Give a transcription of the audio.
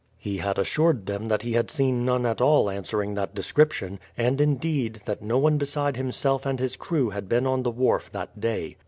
He had assured them he had seen none at all answering that description, and, indeed, that no one beside himself and his crew had been on the wharf that day.